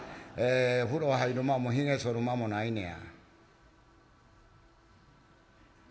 「風呂へ入る間も髭剃る間もないねや」。